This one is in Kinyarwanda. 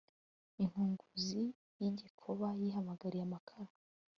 inkunguzi y'igikoba yihamagarira amakara